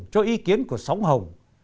cho ý kiến của sóng hồng